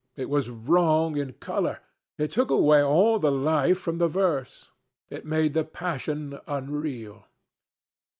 It was wrong in colour. It took away all the life from the verse. It made the passion unreal.